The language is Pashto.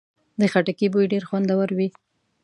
د خټکي بوی ډېر خوندور وي.